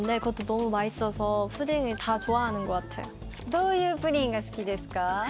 どういうプリンが好きですか？